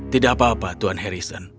tidak apa apa tuhan harrison